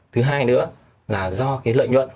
thứ hai nữa là do cái lợi nhuận